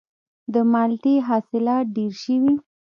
د مالټې حاصلات ډیر شوي؟